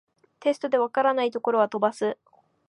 テストで解らないところは飛ばす